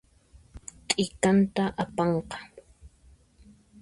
T'ikatan apanqa